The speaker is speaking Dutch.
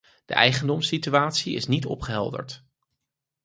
De eigendomssituatie is niet opgehelderd.